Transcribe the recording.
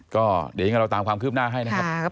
ก็เดี๋ยวยังไงเราตามความคืบหน้าให้นะครับ